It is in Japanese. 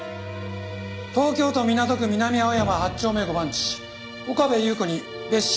「東京都港区南青山八丁目五番地岡部祐子に別紙